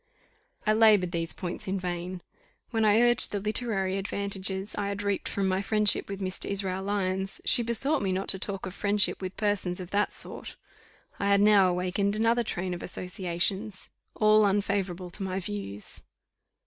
I laboured these points in vain. When I urged the literary advantages I had reaped from my friendship with Mr. Israel Lyons, she besought me not to talk of friendship with persons of that sort. I had now awakened another train of associations, all unfavourable to my views.